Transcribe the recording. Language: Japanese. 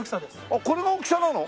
あっこれの大きさなの？